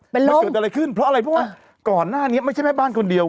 เพราะว่าก่อนหน้านี้ไม่ใช่แม่บ้านคนเดียว